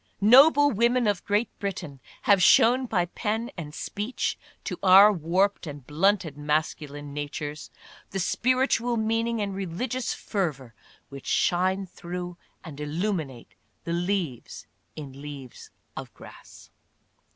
Noble women of Great Britain have shown, by pen and speech, to our warped and blunted masculine natures, the spiritual mean ing and religious fervor which shine through and illuminate the leaves in " Leaves of Grass."